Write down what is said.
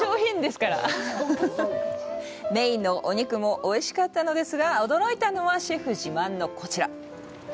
メインのお肉もおいしかったのですが驚いたのは、シェフ自慢のこちら。